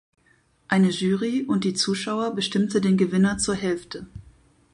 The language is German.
Eine Jury und die Zuschauer bestimmte den Gewinner zur Hälfte.